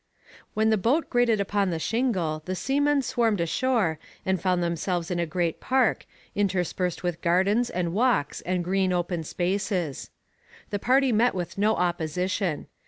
When the boat grated upon the shingle the seamen swarmed ashore and found themselves in a great park, interspersed with gardens and walks and green open spaces. The party met with no opposition.